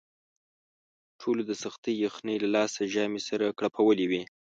ټولو د سختې یخنۍ له لاسه ژامې سره کړپولې وې.